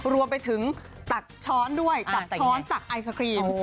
รวมไปถึงตักช้อนด้วยตักช้อนตักไอศครีม